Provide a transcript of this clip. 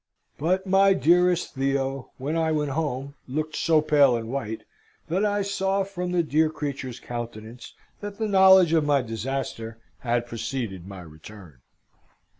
But my dearest Theo, when I went home, looked so pale and white, that I saw from the dear creature's countenance that the knowledge of my disaster had preceded my return.